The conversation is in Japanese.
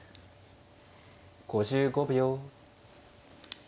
５５秒。